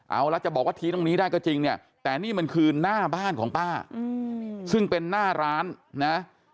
เอาละจะบอกว่าทิ้งตรงนี้ได้ก็จริงเนี่ยแต่นี่มันคือหน้าบ้านของป้าซึ่งเป็นหน้าร้านนะ